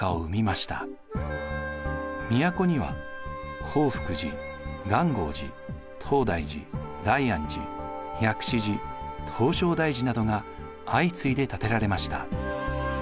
都には興福寺元興寺東大寺大安寺薬師寺唐招提寺などが相次いで建てられました。